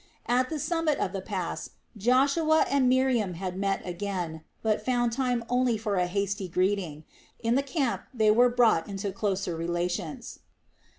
At the summit of the pass Joshua and Miriam had met again, but found time only for a hasty greeting. In the camp they were brought into closer relations.